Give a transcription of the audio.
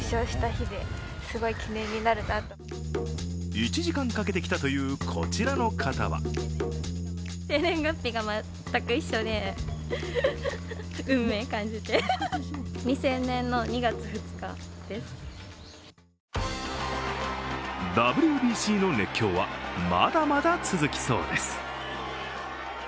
１時間かけてきたというこちらの方はＷＢＣの熱狂はまだまだ続きそうです。